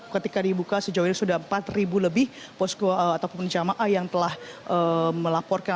ketika dibuka sejauh ini sudah empat lebih posko ataupun jamaah yang telah melaporkan